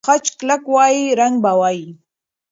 که خج کلک وای، رنګ به وای.